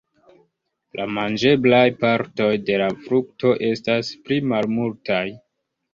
La manĝeblaj partoj de la frukto estas pli malmultaj.